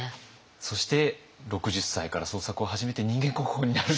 そして６０歳から創作を始めて人間国宝になる。